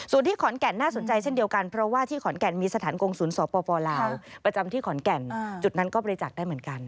ส่วนที่ขอนแก่นน่าสนใจเช่นเดียวกันเพราะว่าที่ขอนแก่นมีสถานกงศูนย์สปลาวประจำที่ขอนแก่นจุดนั้นก็บริจาคได้เหมือนกัน